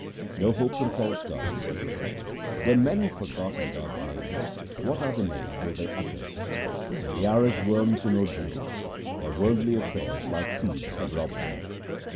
No hope from false gods :— When men have forgotten God's name, what other name will they utter ? They are as worms in ordure ; their worldly affairs like thieves have robbed them.